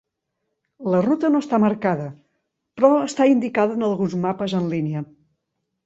La ruta no està marcada, però està indicada en alguns mapes en línia.